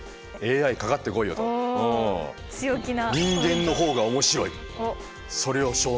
強気な。